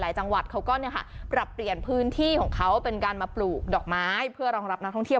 จังหวัดเขาก็ปรับเปลี่ยนพื้นที่ของเขาเป็นการมาปลูกดอกไม้เพื่อรองรับนักท่องเที่ยว